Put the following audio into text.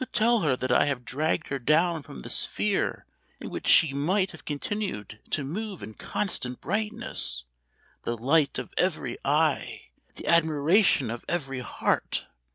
To tell her that I have dragged her down from the sphere in which she might have continued to move in constant brightness the light of every eye the admiration of every heart!